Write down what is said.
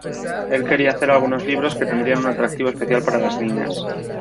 Él quería hacer algunos libros que tendrían un atractivo especial para las niñas.